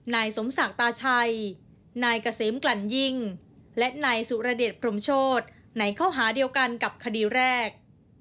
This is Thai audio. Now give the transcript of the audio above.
นายสมศักดิ์ตาชัยนายเกษมกลั่นยิงและนายสุรเดชพรมโชธในข้อหาเดียวกันกับคดีแรก